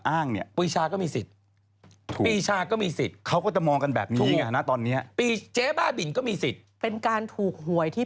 ตั้งแต่ฉันมีข่าวได้ยินข่าวเรื่องถูกหวยมาในชีวิตนี้